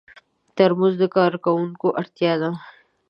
ترموز د کارکوونکو اړتیا ده.